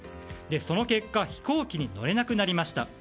その結果飛行機に乗れなくなりました。